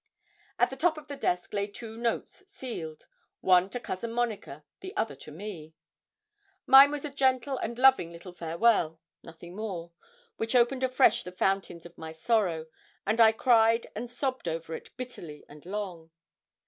At the top of the desk lay two notes sealed, one to Cousin Monica, the other to me. Mine was a gentle and loving little farewell nothing more which opened afresh the fountains of my sorrow, and I cried and sobbed over it bitterly and long.